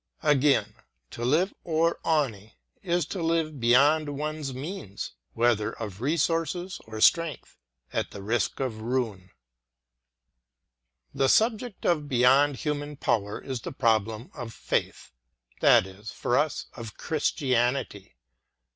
Again, to live "over aevne" is to live beyond BEYOND HUMAN POWER 113 one's means, whether of resources or strength, at the risk of ruin. The subject of Beyond Human Power is the prob lem of Faith ; that is, for us, of Christianity.